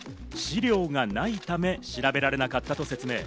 資料がないため、調べられなかったと説明。